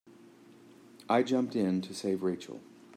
I jumped in to save Rachel.